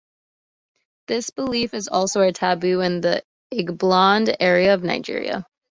This belief is also a taboo in the Igboland area of Nigeria.